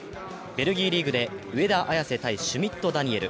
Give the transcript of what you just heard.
ベルギーリーグで上田綺世対シュミット・ダニエル。